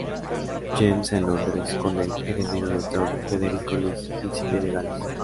James, en Londres, con el heredero del trono, Federico Luis, príncipe de Gales.